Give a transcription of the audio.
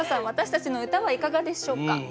私たちの歌はいかがでしょうか？